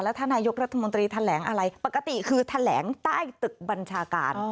ถ้านายกรัฐมนตรีแถลงอะไรปกติคือแถลงใต้ตึกบัญชาการ